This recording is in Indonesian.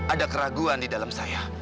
ada keraguan di dalam saya